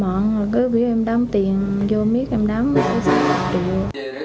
thậm chí những người dân đến công an báo tin giảm mất tiền để che giấu nợ